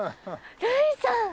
類さん！